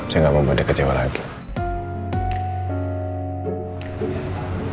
saya nggak mau badek badek sama dia ma